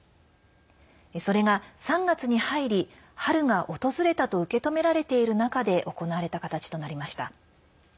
それが３月に入り、春が訪れたと受け止められている中で行われた形となりました。